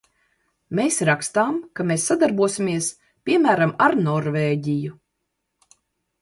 Mēs rakstām, ka mēs sadarbosimies, piemēram, ar Norvēģiju.